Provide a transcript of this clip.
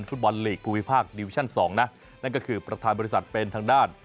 ฟุตบอลลีกภูมิภาคดิวิชั่นสองนะนั่นก็คือประธานบริษัทเป็นทางด้าน